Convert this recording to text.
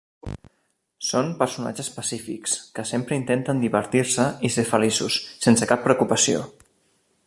Són personatges pacífics que sempre intenten divertir-se i ser feliços, sense cap preocupació.